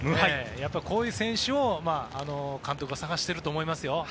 こういう選手を監督は探していると思いますよ。